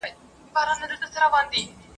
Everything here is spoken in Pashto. د غوايی خواته ور څېرمه ګام په ګام سو ..